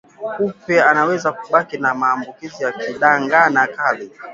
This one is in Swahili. Kupe anaweza kubaki na maambukizi ya ndigana kali